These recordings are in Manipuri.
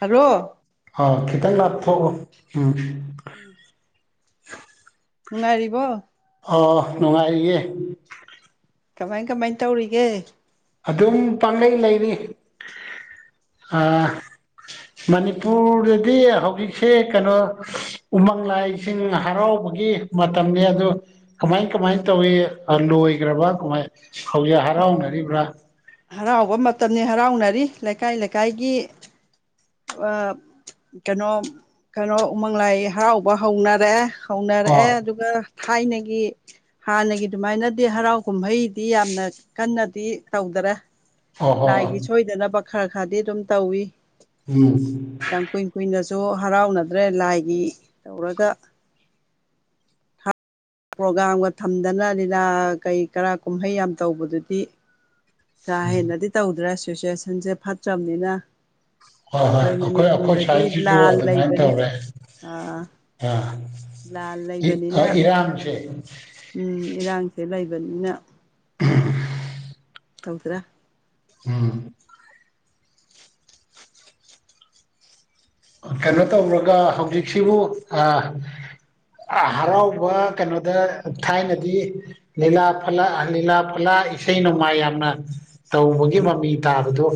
ꯍꯂꯣ ꯑꯥ ꯈꯤꯇꯪ ꯉꯥꯊꯣꯛꯎ ꯎꯝ ꯎꯝ [inaudible] ꯅꯨꯡꯉꯥꯏꯔꯤꯕꯣ ꯑꯣ ꯅꯨꯡꯉꯥꯏꯔꯤꯌꯦꯦ ꯀꯃꯥꯏ ꯀꯃꯥꯏ ꯇꯧꯔꯤꯒꯦ ꯑꯗꯨꯝ ꯄꯥꯡꯅꯩ ꯂꯩꯔꯤ ꯑ ꯃꯅꯤꯄꯨꯔꯗꯗꯤ ꯍꯧꯖꯤꯛꯁꯦ ꯀꯩꯅꯣ ꯎꯃꯪ ꯂꯥꯏꯁꯤꯡ ꯍꯔꯥꯎꯕꯒꯤ ꯃꯇꯝꯅꯤ ꯑꯗꯨ ꯀꯃꯥꯏ ꯀꯃꯥꯏ ꯇꯧꯋꯤ ꯂꯣꯏꯈ꯭ꯔꯕꯥ ꯀꯃꯥꯏ ꯍꯧꯖꯤꯛ ꯍꯔꯥꯎꯅꯔꯤꯕ꯭ꯔꯥ ꯍꯔꯥꯎꯕ ꯃꯇꯝꯅꯤ ꯍꯔꯥꯎꯅꯔꯤ ꯂꯩꯀꯥꯏ ꯂꯩꯀꯥꯏꯒꯤ ꯀꯩꯅꯣ ꯀꯩꯅꯣ ꯎꯃꯪ ꯂꯥꯏ ꯍꯔꯥꯎꯕ ꯍꯧꯅꯔꯦ ꯍꯧꯅꯔꯛꯑꯦ ꯑꯣ ꯑꯗꯨꯒ ꯊꯥꯏꯅꯒꯤ ꯍꯥꯟꯅꯒꯤ ꯑꯗꯨꯃꯥꯏꯅꯗꯤ ꯍꯔꯥꯎ ꯀꯨꯝꯍꯩꯗꯤ ꯌꯥꯝꯅ ꯀꯟꯅꯗꯤ ꯇꯧꯗꯔꯦ ꯑꯣ ꯍꯣ ꯂꯥꯏꯒꯤ ꯁꯣꯏꯗꯅꯕ ꯈꯔ ꯈꯔꯗꯤ ꯑꯗꯨꯝ ꯇꯧꯋ [unintelligible] ꯌꯥꯝ ꯀꯨꯏꯟ ꯀꯨꯏꯅꯁꯨ ꯍꯔꯥꯎꯅꯗ꯭ꯔꯦ ꯂꯥꯏꯒꯤ ꯇꯧꯔꯒ ꯄ꯭ꯔꯣꯒꯥꯝꯒ ꯊꯝꯗꯅ ꯂꯤꯂꯥ ꯀꯩ ꯀꯔꯥ ꯀꯨꯝꯍꯩ ꯌꯥꯝ ꯇꯧꯕꯗꯨꯗꯤ ꯀꯥ ꯍꯦꯟꯅꯗꯤ ꯇꯧꯗ꯭ꯔꯦ ꯁꯤꯆꯨꯋꯦꯁꯟꯁꯦ ꯐꯠꯇ꯭ꯔꯝꯅꯤꯅ ꯍꯣꯏ ꯍꯣꯏ ꯈꯣꯏ ꯑꯩꯈꯣꯏ ꯑꯩꯈꯣꯏ ꯃꯅꯤꯄꯨꯔꯗꯗꯤ ꯁ꯭ꯋꯥꯏꯁꯤꯁꯨ ꯂꯥꯟ ꯑꯗꯨꯃꯥꯏꯅ ꯂꯩꯕꯅꯤ ꯇꯧꯔꯦ ꯑꯥ ꯑꯥ ꯂꯥꯜ ꯏ ꯂꯩꯕꯅꯤꯅ ꯏꯔꯥꯡꯁꯦ ꯎꯝ ꯏꯔꯥꯡꯁꯦ ꯂꯩꯕꯅꯤꯅ [inaudible] ꯇꯧꯗ꯭ꯔꯦ [inaudible] ꯀꯩꯅꯣ ꯇꯧꯔꯒ ꯍꯧꯖꯤꯛꯁꯤꯕꯨ ꯑ ꯑꯥ ꯍꯔꯥꯎꯕ ꯀꯩꯅꯣꯗ ꯊꯥꯏꯅꯗꯤ ꯂꯤꯂꯥ ꯐꯜꯂꯥ ꯑꯥ ꯂꯤꯂꯥ ꯐꯜꯂꯥ ꯏꯁꯩ ꯅꯣꯡꯃꯥꯏ ꯌꯥꯝꯅ ꯇꯧꯕꯒꯤ ꯃꯃꯤ ꯇꯥꯕꯗꯣ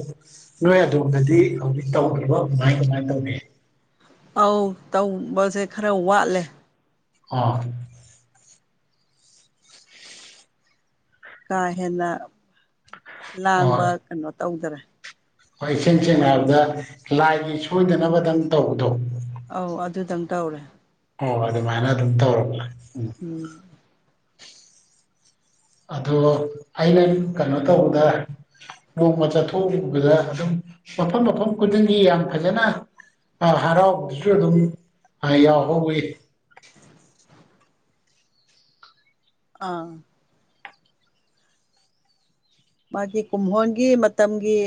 ꯅꯣꯏ ꯑꯗꯣꯝꯗꯗꯤ ꯍꯧꯖꯤꯛ ꯇꯧꯈ꯭ꯔꯤꯕ ꯀꯃꯥꯏ ꯀꯃꯥꯏꯅ ꯇꯧꯒꯦ [inaudible] ꯑꯧ ꯇꯧꯕꯁꯦ ꯈꯔ ꯋꯥꯠꯂꯦ ꯑꯣ ꯀꯥ ꯍꯦꯟꯅ ꯂꯥꯡꯕ ꯑꯣ ꯀꯩꯅꯣ ꯇꯧꯗ꯭ꯔꯦ ꯍꯣꯏ ꯏꯁꯦꯡ ꯁꯦꯡꯅ ꯍꯥꯏꯔꯕꯗ ꯂꯥꯏꯒꯤ ꯁꯣꯏꯗꯅꯕꯗꯪ ꯇꯧꯕꯗꯣ ꯑꯧ ꯑꯗꯨꯗꯪ ꯇꯧꯔꯦ ꯑꯣ ꯑꯗꯨꯃꯥꯏꯅ ꯑꯗꯨꯝ ꯇꯧꯔꯕ ꯎꯝ ꯎꯝ ꯑꯗꯣ ꯑꯩꯅ ꯀꯅꯣ ꯇꯧꯕꯗ ꯅꯣꯡꯃ ꯆꯠꯊꯣꯛꯎꯕꯗ ꯑꯗꯨꯝ ꯃꯐꯝ ꯃꯐꯝ ꯈꯨꯗꯤꯡꯒꯤ ꯌꯥꯝ ꯐꯖꯅ ꯑꯥ ꯍꯔꯥꯎꯕꯗꯨꯁꯨ ꯑꯗꯨꯝ ꯑ ꯌꯥꯎꯍꯧꯋꯤ ꯑꯥ ꯃꯥꯒꯤ ꯀꯨꯝꯍꯣꯟꯒꯤ ꯃꯇꯝꯒꯤ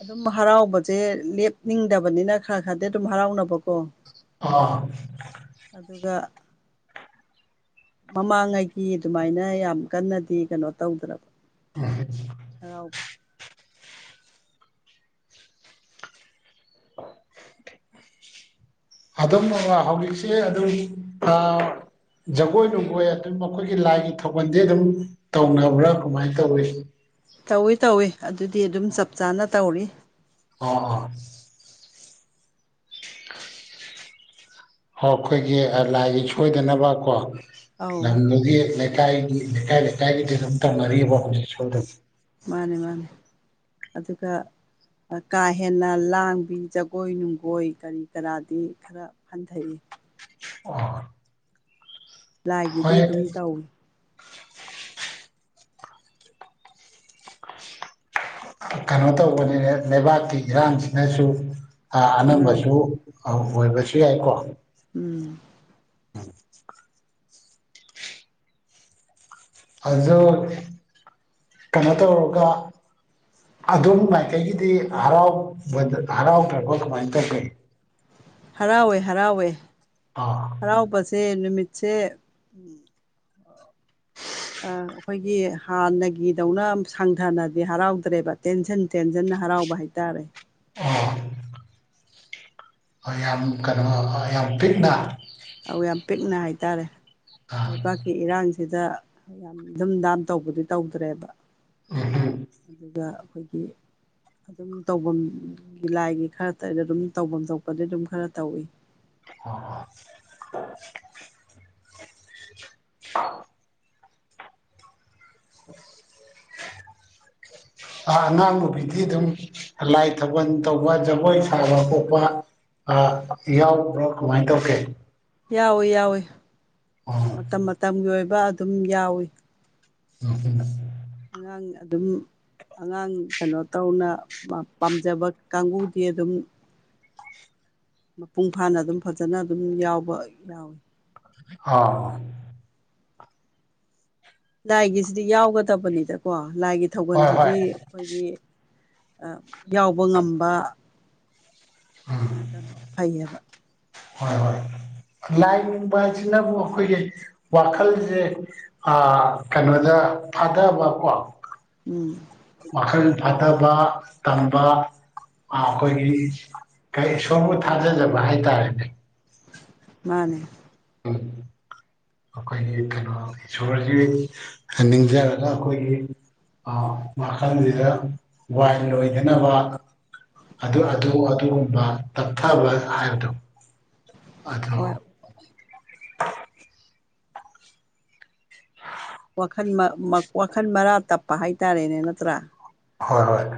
ꯑꯗꯨꯝ ꯍꯔꯥꯎꯕꯁꯦ ꯂꯦꯞꯅꯤꯡꯗꯕꯅꯤꯅ ꯈꯔ ꯈꯔꯗꯤ ꯑꯗꯨꯝ ꯍꯔꯥꯎꯅꯕꯀꯣ ꯑꯥ ꯑꯗꯨꯒ ꯃꯃꯥꯡꯉꯩꯒꯤ ꯑꯗꯨꯃꯥꯏꯅ ꯌꯥꯝ ꯀꯟꯅꯗꯤ ꯀꯩꯅꯣ ꯇꯧꯗ꯭ꯔꯕ [inaudible] ꯍꯔꯥꯎꯕꯁꯦ ꯑꯗꯨꯝ ꯍꯧꯖꯤꯛꯁꯦ ꯑꯗꯨꯝ ꯊꯥ ꯖꯒꯣꯏ ꯅꯨꯡꯒꯣꯏ ꯑꯗꯨꯝ ꯑꯈꯣꯏꯒꯤ ꯂꯥꯏꯒꯤ ꯊꯧꯒꯟꯗꯤ ꯑꯗꯨꯝ ꯇꯧꯅꯕ꯭ꯔꯥ ꯀꯃꯥꯏ ꯇꯧꯋꯤ ꯇꯧꯏ ꯇꯧꯏ ꯑꯗꯨꯗꯤ ꯑꯗꯨꯝ ꯆꯞ ꯆꯥꯅ ꯇꯧꯔꯤ ꯑꯥ ꯑꯥ ꯍ ꯑꯩꯈꯣꯏꯒꯤ ꯂꯥꯏꯒꯤ ꯁꯣꯏꯗꯅꯕ ꯀꯣ ꯑꯧ ꯂꯝꯗꯨꯒꯤ ꯂꯩꯀꯥꯏꯒꯤ ꯂꯩꯀꯥꯏ ꯂꯩꯀꯥꯏꯒꯤꯗꯤ ꯑꯗꯨꯝ ꯇꯧꯅꯔꯤꯕ ꯍꯧꯖꯤꯛꯁꯨ ꯑꯗꯨꯝ ꯃꯥꯅꯦ ꯃꯥꯅꯦ ꯑꯗꯨꯒ ꯀꯥ ꯍꯦꯟꯅ ꯂꯥꯡꯕꯤ ꯖꯒꯣꯏ ꯅꯨꯡꯒꯣꯏ ꯀꯔꯤ ꯀꯔꯥꯗꯤ ꯈꯔ ꯍꯟꯊꯩꯌꯦ ꯑꯣ ꯂꯥꯏꯒꯤꯗꯤ ꯍꯣꯏ ꯑꯗꯨꯝ ꯇꯧꯏ ꯀꯩꯅꯣ ꯇꯧꯕꯅꯤꯅꯦ ꯂꯩꯕꯥꯛꯀꯤ ꯏꯔꯥꯡꯖꯤꯅꯖꯨ ꯃꯥꯅꯦ ꯑꯅꯝꯕꯁꯨ ꯑ ꯑꯣꯏꯕꯁꯨ ꯌꯥꯏꯀꯣ ꯎꯝ ꯑꯗꯨꯣ ꯀꯩꯅꯣ ꯇꯧꯔꯒ ꯑꯗꯨꯝ ꯃꯥꯏꯀꯩꯒꯤꯗꯤ ꯍꯔꯥꯎꯕ ꯍꯔꯥꯎꯗ꯭ꯔꯕ ꯀꯃꯥꯏꯅ ꯇꯧꯒꯦ ꯍꯔꯥꯎꯋꯦ ꯍꯔꯥꯎꯋꯦ ꯑꯥ ꯍꯔꯥꯎꯕꯁꯦ ꯅꯨꯃꯤꯠꯁꯦ ꯑꯩꯈꯣꯏꯒꯤ ꯍꯥꯟꯅꯒꯤꯗꯧꯅ ꯁꯥꯡꯊꯅꯗꯤ ꯍꯔꯥꯎꯗ꯭ꯔꯦꯕ ꯇꯦꯟꯁꯟ ꯇꯦꯟꯖꯟꯅ ꯍꯔꯥꯎꯕ ꯍꯥꯏꯇꯥꯔꯦ ꯑꯣ ꯌꯥꯝ ꯀꯩꯅꯣ ꯌꯥꯝ ꯄꯤꯛꯅ ꯑꯧ ꯌꯥꯝ ꯄꯤꯛꯅ ꯍꯥꯏꯇꯥꯔꯦ ꯑꯥ ꯂꯩꯕꯥꯛ ꯀꯤ ꯏꯔꯥꯡꯁꯤꯗ ꯌꯥꯝ ꯙꯝ ꯗꯥꯝ ꯇꯧꯕꯗꯤ ꯇꯧꯗ꯭ꯔꯦꯕ ꯎꯝ ꯎꯝ ꯑꯗꯨꯒ ꯑꯩꯈꯣꯏꯒꯤ ꯑꯗꯨꯝ ꯇꯧꯐꯝꯒꯤ ꯂꯥꯏꯒꯤ ꯈꯔ ꯇꯗ ꯑꯗꯨꯝ ꯇꯧꯐꯝ ꯊꯣꯛꯄꯗꯤ ꯑꯗꯨꯝ ꯈꯔ ꯇꯧꯏ [unintelligible] ꯑꯉꯥꯡ ꯅꯨꯕꯤꯗꯤ ꯑꯗꯨꯝ ꯂꯥꯏ ꯊꯥꯕꯜ ꯇꯧꯕ ꯖꯒꯣꯏ ꯁꯥꯕ ꯈꯣꯠꯄ ꯌꯥꯎꯕ꯭ꯔꯣ ꯀꯃꯥꯏꯅ ꯇꯧꯒꯦ ꯌꯥꯎꯏꯤ ꯌꯥꯎꯏꯤ ꯑꯣ ꯃꯇꯝ ꯃꯇꯝꯒꯤ ꯑꯣꯏꯕ ꯑꯗꯨꯝ ꯌꯥꯎꯏ [unintelligible] ꯑꯉꯥꯡ ꯑꯗꯨꯝ ꯑꯉꯥꯡ ꯀꯩꯅꯣ ꯇꯧꯅ ꯄꯥꯝꯖꯕ ꯀꯥꯡꯕꯨꯗꯤ ꯑꯗꯨꯝ ꯃꯄꯨꯡ ꯐꯥꯅ ꯑꯗꯨꯝ ꯐꯖꯅ ꯑꯗꯨꯝ ꯌꯥꯎꯕ ꯌꯥꯎꯏ ꯑꯥ ꯂꯥꯏꯒꯤꯁꯤꯗꯤ ꯌꯥꯎꯒꯗꯕꯅꯤꯗꯀꯣ ꯂꯥꯏꯒꯤ ꯍꯣꯏ ꯍꯣꯏ ꯊꯧꯒꯜꯁꯤꯗꯤ ꯑꯩꯈꯣꯏꯒꯤ ꯌꯥꯎꯕ ꯉꯝꯕ [unintelligible] ꯀꯩꯅꯣ ꯐꯩꯌꯦꯕ ꯍꯣꯏ ꯍꯣꯏ ꯂꯥꯏꯅꯤꯡꯕꯕꯁꯤꯅꯕꯨꯛ ꯑꯩꯈꯣꯏꯒꯤ ꯋꯥꯈꯜꯁꯦ ꯀꯩꯅꯣꯗ ꯊꯥꯗꯕꯀꯣ ꯎꯝ ꯃꯈꯜ ꯐꯊꯕ ꯇꯝꯕ ꯑꯩꯈꯣꯏꯒꯤ ꯏꯁꯣꯔꯕꯨ ꯊꯥꯖꯖꯕ ꯍꯥꯏꯇꯥꯔꯦꯅꯦ ꯃꯥꯅꯦ [inaudible] ꯑꯩꯈꯣꯏꯒꯤ ꯀꯩꯅꯣ ꯏꯁꯣꯔꯁꯤ ꯅꯤꯡꯖꯔꯒ ꯑꯩꯈꯣꯏꯒꯤ ꯑ ꯃꯈꯜꯁꯤꯗ ꯋꯥꯏ ꯂꯣꯏꯗꯅꯕ ꯑꯗꯨ ꯑꯗꯨ ꯑꯗꯨꯒꯨꯝꯕ ꯇꯞꯊꯕ ꯍꯥꯏꯕꯗꯣ ꯑꯗꯨ ꯍꯣꯏ [unintelligible] ꯋꯥꯈꯜ ꯋꯥꯈꯜ ꯃꯔꯥ ꯇꯞꯄ ꯍꯥꯏꯇꯥꯔꯦꯅꯦ ꯅꯠꯇ꯭ꯔꯥ ꯍꯣꯏ ꯍꯣꯏ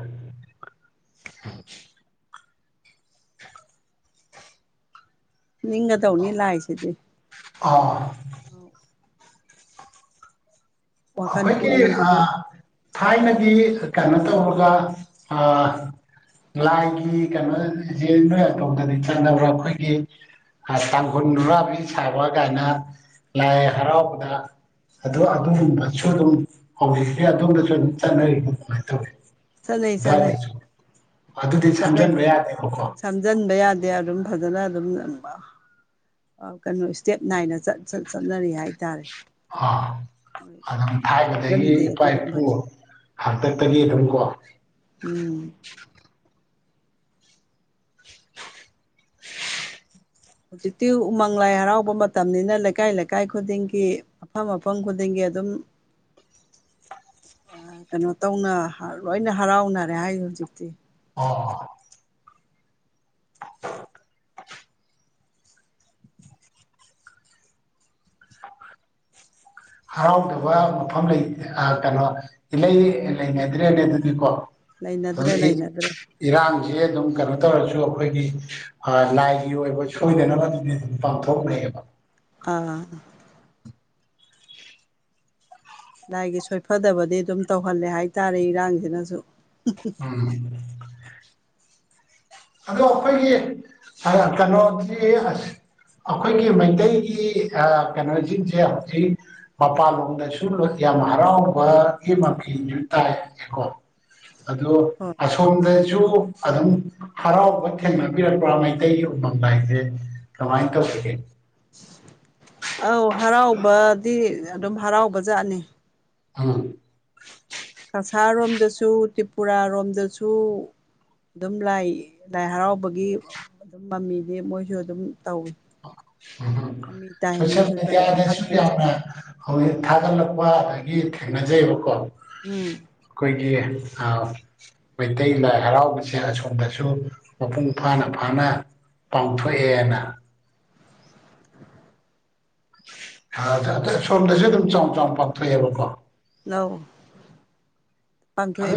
ꯅꯤꯡꯒꯗꯧꯅꯤ ꯂꯥꯏꯁꯤꯗꯤ ꯑꯥ ꯋꯥꯈꯜ ꯑꯩꯈꯣꯏꯒꯤ ꯄꯨꯛꯅꯤꯡꯁꯤꯁꯨ ꯊꯥꯏꯅꯒꯤ ꯀꯩꯅꯣ ꯇꯧꯔꯒ ꯑꯥ ꯂꯥꯏꯒꯤ ꯀꯩꯅꯣꯁꯦ [unintelligible] ꯅꯣꯏ ꯇꯧꯗꯗꯤ ꯆꯠꯅꯕ꯭ꯔꯥ ꯑꯩꯈꯣꯏꯒꯤ ꯇꯥꯡꯈꯨꯜ ꯅꯨꯨꯔꯥꯕꯤ ꯁꯥꯕ ꯀꯥꯏꯅ ꯂꯥꯏ ꯍꯔꯥꯎꯕꯗ ꯑ ꯑꯗꯨꯒꯨꯝꯕꯁꯨ ꯑꯗꯨꯝ ꯍꯧꯖꯤꯛꯁꯦ ꯑꯗꯣꯝꯗꯁꯨ ꯑꯗꯨꯝ ꯆꯠꯅꯔꯤꯕ ꯑꯗꯨꯃꯥꯏꯅ ꯇꯧꯋꯤ ꯆꯠꯅꯩ ꯆꯠꯅꯩ ꯑꯗꯨꯏꯗꯩꯩꯁꯨ ꯑꯗꯨꯗꯤ ꯁꯝꯖꯤꯟꯕ ꯌꯥꯗꯦꯕꯀꯣ ꯁꯃꯖꯤꯟꯕ ꯌꯥꯗꯦ ꯑꯗꯨꯝ ꯐꯖꯅ ꯑꯗꯨꯝ ꯀꯩꯅꯣ ꯏꯁꯇꯦꯞ ꯅꯥꯏꯅ ꯆꯠ ꯆꯠ ꯆꯠꯅꯔꯤ ꯍꯥꯏꯇꯥꯔꯦ ꯑꯥ ꯃꯣꯏ ꯑꯗꯨꯝ ꯊꯥꯏꯅꯥꯗꯒꯤ ꯁꯝꯖꯟꯗꯦ ꯏꯄꯥ ꯏꯄꯨ ꯑꯗꯨꯒꯨꯝꯕꯗꯤ ꯍꯥꯛꯇꯛꯇꯒꯤ ꯑꯗꯨꯝꯀꯣ ꯎꯝ ꯍꯧꯖꯤꯛꯇꯤ ꯎꯃꯪ ꯂꯥꯏ ꯍꯔꯥꯎꯕ ꯃꯇꯝꯅꯤꯅ ꯂꯩꯀꯥꯏ ꯂꯩꯀꯥꯏ ꯈꯨꯗꯤꯡꯒꯤ ꯃꯐꯝ ꯃꯐꯝ ꯈꯨꯗꯤꯡꯒꯤ ꯑꯗꯨꯝ ꯀꯩꯅꯣ ꯇꯧꯅ ꯂꯣꯏꯅ ꯍꯔꯥꯎꯅꯔꯦ ꯍꯥꯏ ꯍꯧꯖꯤꯛꯇꯤ꯫ ꯑꯣ꯫ [unintelligible] ꯍꯔꯥꯎꯗꯕ ꯃꯐꯝ ꯂꯩꯇꯦ ꯀꯩꯅꯣ꯫ ꯏꯂꯩ ꯂꯩꯅꯗ꯭ꯔꯦꯅꯦ ꯑꯗꯨꯗꯤꯀꯣ ꯂꯩꯅꯗ꯭ꯔꯦ ꯂꯩꯅꯗ꯭ꯔꯦ [unintelligible] ꯏꯔꯥꯡꯖꯦ ꯑꯗꯨꯝ ꯀꯩꯅꯣ ꯇꯧꯔꯖꯨ ꯑꯩꯈꯣꯏꯒꯤ꯫ ꯂꯥꯏꯒꯤ ꯑꯣꯏꯕ ꯁꯣꯏꯗꯅꯕꯗꯨꯗꯤ ꯑꯗꯨꯝ ꯄꯥꯡꯊꯣꯛꯅꯩꯕ꯫ ꯑꯥ꯫ ꯂꯥꯏꯒꯤ ꯁꯣꯏꯐꯗꯕꯗꯤ ꯑꯗꯨꯝ ꯇꯧꯍꯜꯂꯦ ꯍꯥꯏꯇꯥꯔꯦ ꯏꯔꯥꯡꯖꯤꯅꯖꯨ꯫ [inaudible] ꯎꯝ ꯑꯗꯣ ꯑꯩꯈꯣꯏꯒꯤ ꯀꯩꯅꯣꯗꯤ ꯑꯁ ꯑꯩꯈꯣꯏꯒꯤ ꯃꯩꯇꯩꯒꯤ ꯑꯥ ꯀꯩꯅꯣꯁꯤꯡꯖꯦ ꯍꯧꯖꯤꯛ ꯃꯄꯥꯟꯂꯣꯝꯗꯁꯨ ꯌꯥꯝ ꯍꯔꯥꯎꯕꯒꯤ ꯃꯤꯁꯨ ꯇꯥꯏ ꯑꯗꯣ ꯍꯣꯏ ꯑꯁꯣꯝꯗꯖꯨ꯫ ꯑꯗꯨꯝ ꯍꯔꯥꯎꯕ ꯊꯦꯡꯅꯕꯤꯔꯛꯄ꯭ꯔꯥ ꯃꯩꯇꯩꯒꯤ ꯎꯃꯪ ꯂꯥꯏꯁꯦ ꯀꯃꯥꯏ ꯇꯧꯖꯤꯒꯦ꯫ ꯑꯧ ꯍꯔꯥꯎꯕꯗꯤ ꯑꯗꯨꯝ ꯍꯔꯥꯎꯕꯖꯥꯠꯅꯤ꯫ ꯎꯝ꯫ ꯀꯁꯥꯔꯣꯝꯗꯁꯨ ꯇ꯭ꯔꯤꯄꯨꯔꯥꯔꯣꯝꯗꯖꯨ꯫ ꯑꯗꯨꯝ ꯂꯥꯏ ꯂꯥꯏ ꯍꯔꯥꯎꯕꯒꯤ ꯑꯗꯨꯝ ꯃꯃꯤꯗꯤ ꯃꯣꯏꯖꯨ ꯑꯗꯨꯝ ꯇꯧꯋꯤ꯫ ꯃꯃꯤ ꯇꯥꯏ ꯁꯣꯁꯜ ꯃꯣꯏꯁꯨ ꯑꯗꯨꯝ ꯃꯗꯤꯌꯥꯁꯨ ꯍꯔꯥꯎꯁꯦ ꯌꯥꯝꯅ꯫ ꯍꯧꯖꯤꯛ ꯊꯥꯒꯠꯂꯛꯄ ꯑꯗꯒꯤ ꯊꯦꯡꯅꯖꯩꯕꯀꯣ꯫ ꯎꯝ꯫ ꯑꯩꯈꯣꯏꯒꯤ ꯑ ꯃꯩꯇꯩ ꯂꯥꯏ ꯍꯔꯥꯎꯕꯁꯦ ꯑꯁꯣꯝꯗꯁꯨ ꯃꯄꯨꯡ ꯐꯥꯅ ꯐꯥꯅ꯫ ꯄꯥꯡꯊꯣꯛꯑꯦꯅ꯫ ꯑ ꯑꯁꯣꯗꯁꯨ ꯑꯗꯨꯝ ꯆꯥꯎꯅ ꯄꯥꯡꯊꯣꯛꯑꯦꯕꯀꯣ꯫ ꯅꯧ ꯑꯗꯨ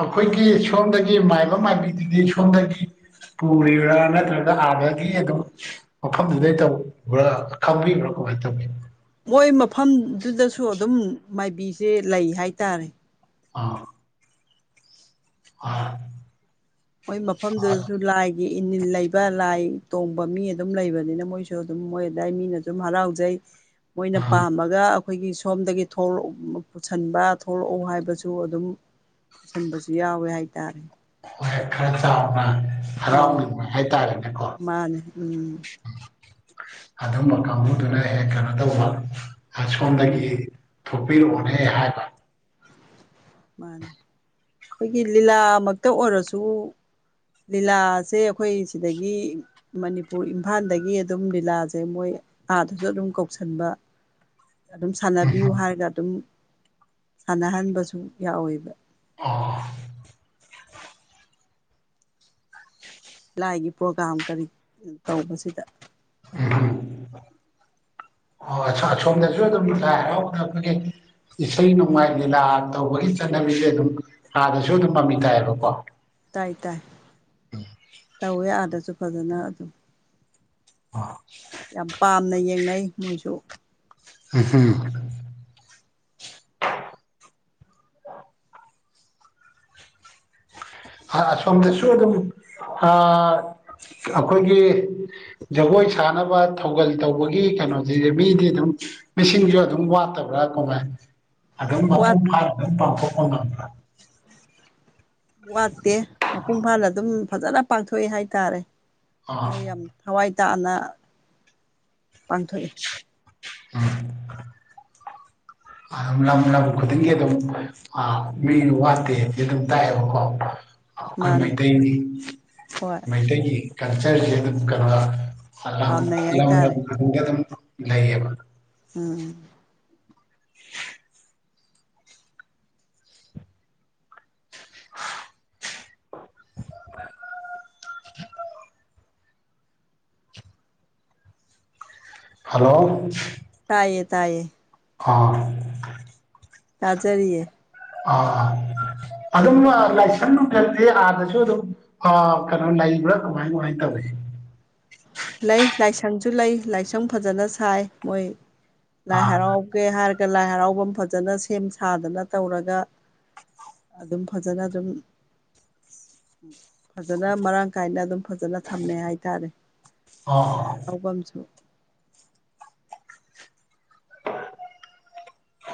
ꯑꯩꯈꯣꯏꯒꯤ ꯁꯣꯝꯗꯒꯤ ꯃꯥꯏꯕ ꯃꯥꯏꯕꯤꯗꯨꯗꯤ ꯁꯣꯝꯗꯒꯤ ꯄꯨꯔꯤꯔ ꯅꯠꯇꯔꯒ ꯑꯥꯗꯒꯤ ꯑꯗꯨꯝ ꯃꯐꯝꯗꯨꯗꯩ ꯇꯧꯕ꯭ꯔꯥ ꯈꯪꯕꯤꯕ꯭ꯔꯥ ꯀꯃꯥꯏꯅ ꯇꯧꯒꯦ꯫ ꯃꯣꯏ ꯃꯐꯝꯗꯨꯗꯁꯨ ꯑꯗꯨꯝ ꯃꯥꯏꯕꯤꯁꯦ ꯂꯩ ꯍꯥꯏꯇꯥꯔꯦ꯫ ꯑꯥ꯫ [unintelligible] ꯃꯣꯏ ꯃꯐꯝꯗꯨꯗꯖꯨ ꯑꯥ ꯂꯥꯏ ꯃꯤ ꯏꯅꯤꯜ ꯂꯩꯕ ꯂꯥꯏ ꯇꯣꯡꯕ ꯃꯤ ꯑꯗꯨꯝ ꯂꯩꯕꯅꯤꯅ ꯃꯣꯏꯁꯨ ꯑꯗꯨꯝ ꯃꯣꯏ ꯑꯗꯥꯏ ꯃꯤꯅꯁꯨꯝ ꯍꯔꯥꯎꯖꯩ꯫ ꯃꯣꯏꯅ ꯄꯥꯝꯃꯒ ꯑꯩꯈꯣꯏꯒꯤ ꯁꯣꯝꯗꯒꯤ ꯊꯧꯂꯧꯠ ꯄꯨꯁꯤꯟꯕ ꯊꯧꯂꯧꯛꯎ ꯍꯥꯏꯕꯁꯨ ꯑꯗꯨꯝ ꯄꯨꯁꯟꯕꯁꯨ ꯌꯥꯎꯋꯦ ꯍꯥꯏꯇꯥꯔꯦ ꯍꯣꯏ ꯈꯔ ꯆꯥꯎꯅ ꯑꯥꯎ ꯍꯔꯥꯎꯅꯤꯡꯕ ꯍꯥꯏꯇꯥꯔꯦ ꯃꯥꯅꯦ ꯎꯝ ꯑꯗꯨꯝꯕ ꯀꯥꯡꯕꯨꯗꯨꯅ ꯍꯦꯟ ꯀꯩꯅꯣ ꯇꯧꯕ ꯑꯥꯁꯣꯝꯗꯒꯤ ꯎꯝ ꯊꯣꯛꯄꯤꯔꯛꯑꯣꯅꯦ ꯍꯥꯏꯕ ꯃꯥꯅꯦ ꯈꯣꯏꯒꯤ ꯂꯤꯂꯥꯃꯛꯇ ꯑꯣꯏꯔꯁꯨ ꯂꯤꯂꯥꯁꯦ ꯑꯩꯈꯣꯏ ꯁꯤꯗꯒꯤ ꯃꯅꯤꯄꯨꯔ ꯏꯝꯐꯥꯟꯗꯒꯤ ꯑꯗꯨꯝ ꯂꯤꯂꯥꯁꯦ ꯃꯣꯏ ꯑꯥꯗꯨꯁꯨ ꯑꯗꯨꯝ ꯀꯧꯁꯟꯕ ꯑꯗꯨꯝ ꯁꯥꯟꯅꯕꯤꯌꯨ ꯎꯝ ꯍꯥꯏꯔꯒ ꯑꯗꯨꯝ ꯁꯥꯟꯅꯍꯟꯕꯁꯨ ꯌꯥꯎꯋꯦꯕ ꯑꯣ ꯂꯥꯏꯒꯤ ꯄ꯭ꯔꯣꯒꯥ꯭ꯔꯥꯝ ꯀꯔꯤ ꯇꯧꯕꯁꯤꯗ ꯑꯣ ꯑꯁꯣꯝꯗꯁꯨ ꯑꯗꯨꯝ ꯂꯥꯏ ꯍꯔꯥꯎꯕꯗ ꯑꯩꯈꯣꯏꯒꯤ ꯏꯁꯩ ꯅꯣꯡꯃꯥꯏ ꯂꯤꯂꯥ ꯇꯧꯕꯒꯤ ꯆꯠꯅꯕꯤꯁꯦ ꯑꯗꯨꯝ ꯑꯥꯗꯁꯨ ꯗꯨꯝ ꯃꯃꯤ ꯇꯥꯏꯑꯕꯀꯣ ꯇꯥꯏ ꯇꯥꯏ ꯇꯧꯋꯦ ꯑꯥꯗꯁꯨ ꯐꯖꯟꯅ ꯑꯗꯨꯝ ꯑ ꯌꯥꯝ ꯄꯥꯝꯅ ꯌꯦꯡꯅꯩ ꯃꯣꯏꯁꯨ [unintelligible] ꯍꯥ ꯑꯁꯣꯝꯗꯁꯨ ꯗꯨꯝ ꯑꯥ ꯑꯩꯈꯣꯏꯒꯤ ꯖꯒꯣꯏ ꯁꯥꯅꯕ ꯊꯧꯒꯜ ꯇꯧꯕꯒꯤ ꯀꯩꯅꯣꯁꯤꯗꯤ ꯃꯤꯗꯤ ꯑꯗꯨꯝ ꯃꯤꯁꯤꯡꯁꯨ ꯑꯗꯨꯝ ꯋꯥꯠꯇꯕ꯭ꯔꯥ ꯀꯃꯥꯏ ꯑꯗꯨꯝ ꯃꯄꯨꯡ ꯋꯥꯠ ꯐꯥꯅ ꯑꯗꯨꯝ ꯄꯥꯡꯊꯣꯛꯄ ꯉꯝ ꯋꯥꯠꯇꯦ ꯃꯄꯨꯡ ꯐꯥꯅ ꯗꯨꯝ ꯐꯖꯅ ꯄꯥꯡꯊꯣꯛꯑꯦ ꯍꯥꯏꯇꯥꯔꯦ ꯑꯥ ꯃꯣꯏ ꯌꯥꯝ ꯊꯋꯥꯏ ꯇꯥꯅ ꯄꯥꯡꯊꯣꯛꯏ [unintelligible] ꯑ‌ ꯂꯝ ꯂꯝ ꯈꯨꯗꯤꯡꯒꯤ ꯑꯗꯨꯝ ꯑꯥ ꯃꯤ ꯋꯥꯠꯇꯦꯗꯤ ꯑꯗꯨꯝ ꯇꯥꯠꯑꯦꯕꯀꯣ ꯑꯩꯈꯣꯏ ꯃꯥꯅꯦ ꯃꯩꯇꯩꯒꯤ ꯍꯣꯏ ꯃꯩꯇꯩꯒꯤ ꯀꯜꯆꯔꯁꯦ ꯑꯗꯨꯝ ꯀꯔ ꯑ ꯂꯝ ꯄꯥꯝꯅꯩ ꯂꯝ ꯍꯥꯏꯇꯥꯔꯦ ꯈꯨꯗꯤꯡꯒꯤ ꯗꯨꯝ ꯂꯩꯌꯦꯕ ꯎꯝ ꯍꯜꯂꯣ ꯇꯥꯏꯌꯦ ꯇꯥꯏꯌꯦ ꯑꯥ ꯇꯥꯖꯔꯤꯌꯦ ꯑꯥ ꯑꯗꯨꯝ ꯂꯥꯏꯁꯟ ꯅꯨꯡꯀꯥꯗꯦ ꯑꯥꯗꯁꯨ ꯑꯗꯨꯝ ꯑ ꯀꯩꯅꯣ ꯂꯩꯕ꯭ꯔꯥ ꯀꯃꯥꯏ ꯀꯃꯥꯏꯅ ꯇꯧꯋꯦ ꯂꯩ ꯂꯥꯏꯁꯪꯁꯨ ꯂꯩ ꯂꯥꯏꯁꯪ ꯐꯖꯟꯅ ꯁꯥꯏ ꯃꯣꯏ ꯂꯥꯏ ꯑꯥ ꯍꯔꯥꯎ ꯒꯦ ꯍꯥꯏꯔꯒ ꯂꯥꯏ ꯍꯔꯥꯎꯐꯝ ꯐꯖꯅ ꯁꯦꯝ ꯁꯥꯗꯅ ꯇꯧꯔꯒ ꯑꯗꯨꯝ ꯐꯖꯅ ꯑꯗꯨꯝ ꯐꯖꯅ ꯃꯔꯥꯡ ꯀꯥꯏꯅ ꯑꯗꯨꯝ ꯐꯖꯅ ꯊꯝꯃꯦ ꯍꯥꯏꯇꯥꯔꯦ ꯑꯣ ꯂꯥꯏ ꯑꯣ ꯍꯔꯧꯕꯥꯝꯁꯨ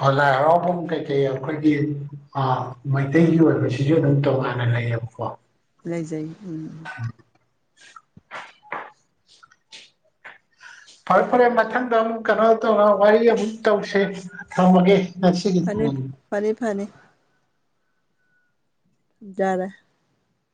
ꯑꯥ ꯂꯥꯏ ꯍꯔꯥꯎꯕꯨꯝ ꯀꯩꯀꯩ ꯑꯩꯈꯣꯏꯒꯤ ꯑ ꯃꯩꯇꯩꯒꯤ ꯑꯣꯏꯕꯁꯤꯁꯨ ꯑꯗꯨꯝ ꯇꯣꯉꯥꯟꯅ ꯂꯩꯌꯦꯕꯀꯣ ꯂꯩꯖꯩ ꯎꯝ [unintelligible] ꯐꯔꯦ ꯐꯔꯦ ꯃꯊꯪꯗ ꯑꯃꯨꯛ ꯀꯩꯅꯣ ꯇꯧꯔ ꯋꯥꯔꯤ ꯑꯃꯨꯛ ꯇꯧꯁꯤ ꯊꯝꯃꯒꯦ ꯅꯁꯤꯒꯤ ꯐꯔꯦ ꯐꯔꯦ ꯌꯥꯔꯦ